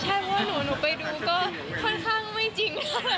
ถ้าแบบว่าหนูไปดูก็ค่อนข้างไม่จริง